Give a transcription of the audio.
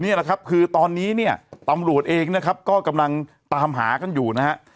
นี่แหละครับคือตอนนี้เนี่ยตำรวจเองนะครับก็กำลังตามหากันอยู่นะฮะ